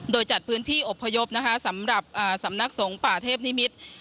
โดยจัดพื้นที่อบพยพนะคะสำหรับสำนักสงฆ์ป่าเทพนิมิตร